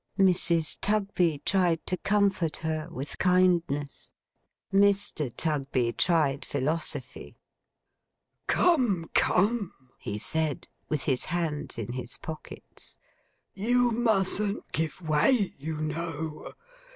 Mrs. Tugby tried to comfort her with kindness. Mr. Tugby tried philosophy. 'Come, come!' he said, with his hands in his pockets, 'you mustn't give way, you know.